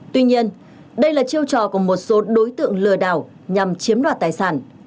tuy nhiên đây là chiêu trò của một số đối tượng lừa đảo nhằm chiếm đoạt tài sản